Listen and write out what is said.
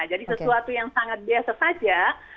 jadi sesuatu yang sangat biasa saja